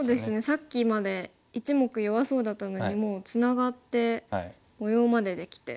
さっきまで１目弱そうだったのにもうツナがって模様までできて。